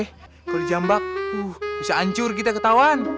kalau di jambak bisa hancur kita ketahuan